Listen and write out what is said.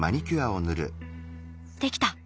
できた！